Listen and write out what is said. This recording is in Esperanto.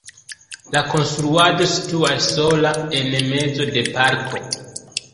La konstruaĵo situas sola en mezo de parko.